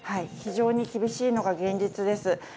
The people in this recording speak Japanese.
非常に厳しいのが現実です。